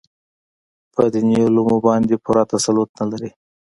په دیني علومو باندې پوره تسلط نه لري.